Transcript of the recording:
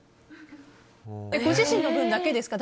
ご自身の分だけですか？